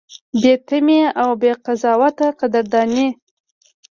بې تمې او بې قضاوته قدرداني: